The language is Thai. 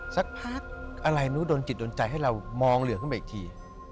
สักพักอะไรนู้นก็โดนจิตโดนใจให้เรามองเหลือขึ้นไปที